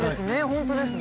本当ですね。